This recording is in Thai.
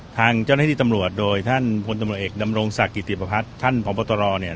ทางเจ้าหน้าที่ตำรวจโดยท่านพลตำรวจเอกดำรงศักดิ์กิติประพัฒน์ท่านพบตรเนี่ย